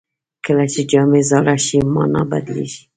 کله چې جامې زاړه شي، مانا بدلېږي.